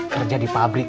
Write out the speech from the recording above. kerja di pabrik